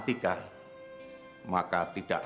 terima kasih ya pak